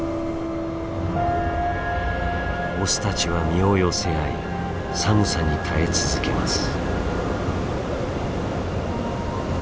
オスたちは身を寄せ合い寒さに耐え続けます。